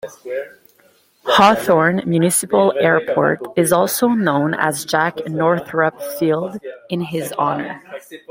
Hawthorne Municipal Airport is also known as Jack Northrop Field in his honor.